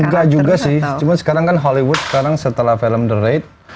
enggak juga sih cuma sekarang kan hollywood sekarang setelah film the raid